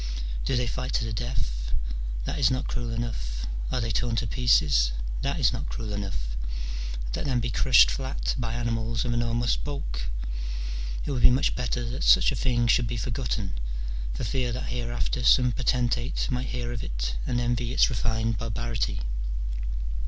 Do they fight to the death ? that is not cruel enough : are they torn to pieces ? that is not cruel enough : let them be crushed flat by animals of enormous bulk. It would be much better that such a thing should be forgotten, for fear that hereafter some potentate might hear of it and envy its refined barbarity.